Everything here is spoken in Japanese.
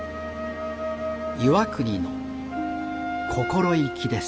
岩国の心意気です。